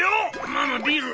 ママビール。